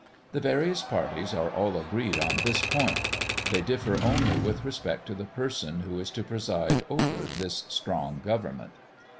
The various parties are all agreed on this point; they differ only with respect to the person who is to preside over this "strong government."